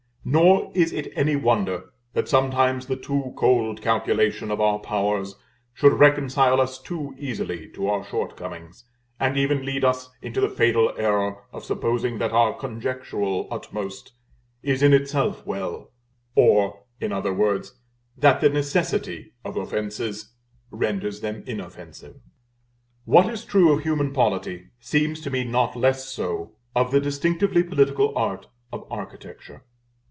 Nor is it any wonder that sometimes the too cold calculation of our powers should reconcile us too easily to our shortcomings, and even lead us into the fatal error of supposing that our conjectural utmost is in itself well, or, in other words, that the necessity of offences renders them inoffensive. What is true of human polity seems to me not less so of the distinctively political art of Architecture.